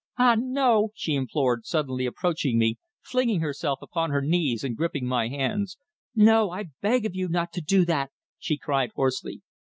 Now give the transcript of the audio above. "Ah, no!" she implored, suddenly approaching me, flinging herself upon her knees and gripping my hands. "No, I beg of you not to do that!" she cried hoarsely.